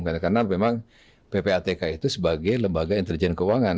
karena memang ppatk itu sebagai lembaga intelijen keuangan